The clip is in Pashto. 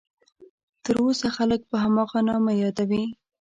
تر اوسه خلک په هماغه نامه یادوي.